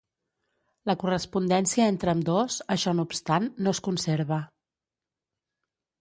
La correspondència entre ambdós, això no obstant, no es conserva.